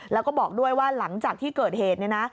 แล้วก็บอกด้วยว่าหลังจากที่เกิดเหตุเนี่ยนะ